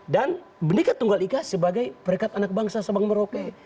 menikah tunggal ika sebagai perekat anak bangsa sabang merauke